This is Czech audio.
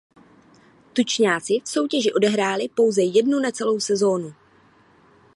Tučňáci v soutěži odehráli pouze jednu necelou sezónu.